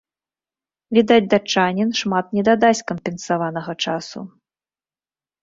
Відаць, датчанін шмат не дадасць кампенсаванага часу.